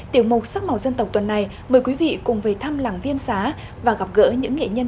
tiểu mục sắc màu dân tộc tuần này mời quý vị cùng về thăm làng viêm xá và gặp gỡ những nghệ nhân